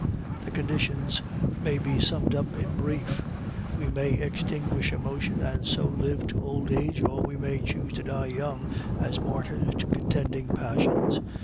The conditions may be summed up in brief; we may extinguish emotion, and so live to old age, or we may choose to die young as martyrs to contending passions.